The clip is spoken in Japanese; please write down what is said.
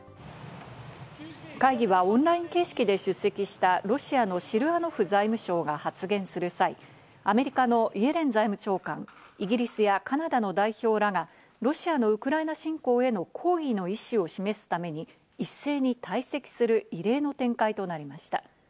会議はオンライン形式で出席したロシアのシルアノフ財務相が発言する際、アメリカのイエレン財務長官、イギリスやカナダの代表らがロシアのウクライナ侵攻への抗議の意思を示すために、一斉に退席する異例の展開となりました。